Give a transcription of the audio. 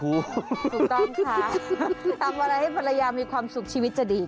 ถูกต้องค่ะทำอะไรให้ภรรยามีความสุขชีวิตจะดี